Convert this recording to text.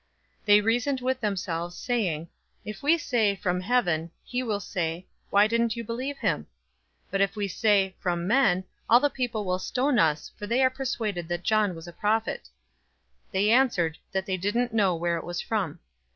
020:005 They reasoned with themselves, saying, "If we say, 'From heaven,' he will say, 'Why didn't you believe him?' 020:006 But if we say, 'From men,' all the people will stone us, for they are persuaded that John was a prophet." 020:007 They answered that they didn't know where it was from.